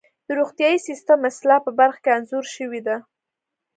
د روغتیايي سیستم اصلاح په برخه کې انځور شوې ده.